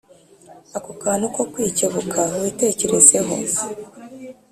Ako kantu ko kwikebuka witekerezeho